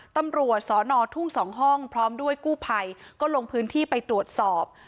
ตำรวจสอนอทุ่ง๒ห้องพร้อมด้วยกู้ภัยก็ลงพื้นที่ไปตรวจสอบ